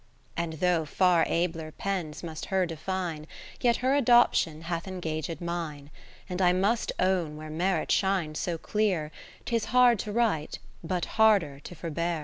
And though far abler pens must her define, Yet her adoption hath engaged mine : And I must own where merit shines so clear, 'Tis hard to write, but harder to forbear.